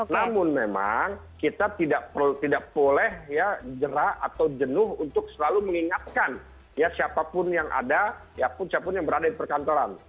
namun memang kita tidak boleh jerak atau jenuh untuk selalu mengingatkan siapapun yang ada siapapun yang berada di perkantoran